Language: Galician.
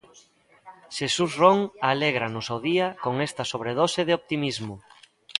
Xesús Ron alégranos o día con esta sobredose de optimismo.